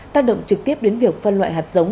tác động trực tiếp đến việc phân loại hạt giống